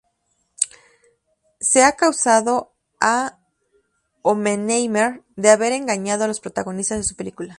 Se ha acusado a Oppenheimer de haber engañado a los protagonistas de su película.